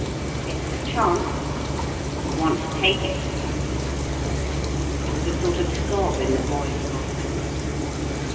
It's a chance. Want to take it?" There was a sort of sob in the boy's voice.